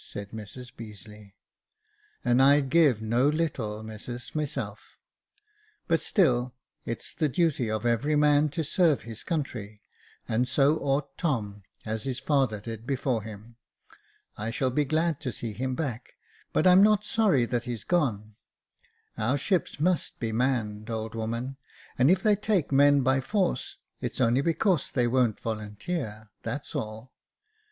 said Mrs Beazeiey. *' And I'd give no little, missus, myself. But still, it's 'T^'jG Jacob Faithful the duty for every man to serve his country ; and so ought Tom, as his father did before him. I shall be glad to see him back ; but I'm not sorry that he's gone. Our ships must be manned, old woman ; and if they take men by force, it's only because they won't volunteer — that's all.